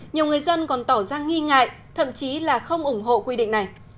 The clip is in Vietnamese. nhiều người dân còn tỏ ra nghi ngại thậm chí là không ủng hộ quy định này